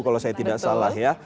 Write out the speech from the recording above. kalau saya tidak salah ya